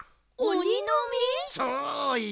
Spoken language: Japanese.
そうよ。